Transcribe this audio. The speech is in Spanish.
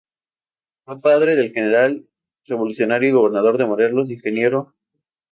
Fue padre del general revolucionario y gobernador de Morelos, Ing.